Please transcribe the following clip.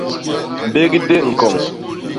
Mbégdé ñkoñ.